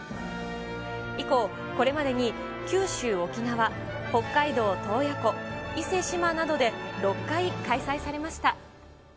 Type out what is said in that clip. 以降、これまでに九州・沖縄、北海道洞爺湖、伊勢志摩などで６回開催されました。